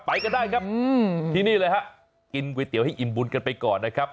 ไปกันได้ครับที่นี่เลยฮะกินก๋วยเตี๋ยวให้อิ่มบุญกันไปก่อนนะครับ